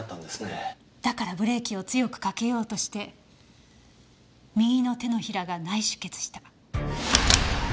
だからブレーキを強くかけようとして右の手のひらが内出血した。